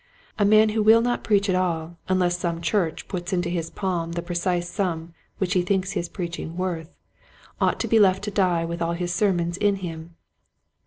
A man who will not preach at all unless some church puts into his palm the precise sum which he thinks his preaching worth ought to be left to die with all his sermons in him.